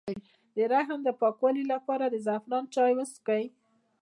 د رحم د پاکوالي لپاره د زعفران چای وڅښئ